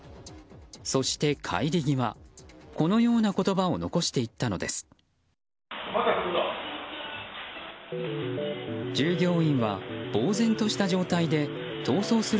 そして、帰り際このような言葉を残していったのです。